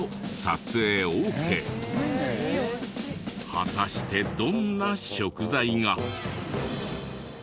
果たしてどんな食材が？